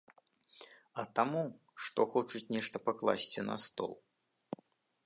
А таму, што хочуць нешта пакласці на стол.